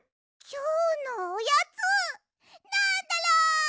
きょうのおやつなんだろ？